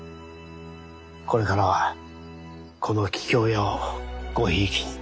これからはこの桔梗屋をごひいきに。